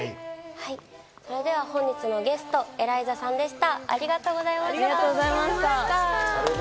それでは本日のゲスト、ＥＬＡＩＺＡさんでした。